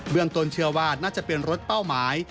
เบื้องตนเชื้อวาดน่าจะเป็นรถเป้าหมาย